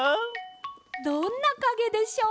どんなかげでしょう？